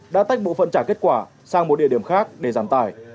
đã tách bộ phận trả kết quả sang một địa điểm khác để giảm tải